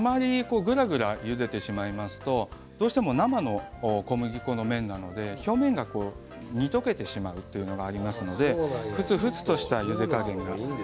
ぐらぐらゆでてしまうと生の小麦粉の麺なので表面が煮溶けてしまうというのがありますのでふつふつとした、ゆで加減が。